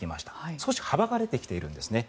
少し幅が出てきているんですね。